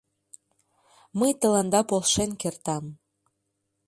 — Мый тыланда полшен кертам.